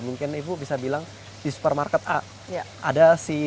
mungkin ibu bisa bilang di supermarket a ada si herbs ini tiga jenis